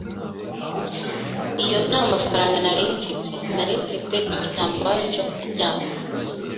Iyo ntamafaranga nari mfite, nari mfite igitambaro cyo kuryama.